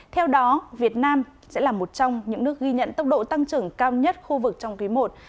theo đó việt nam sẽ là một trong những nước ghi nhận tốc độ tăng trưởng cao nhất khu vực trong quý i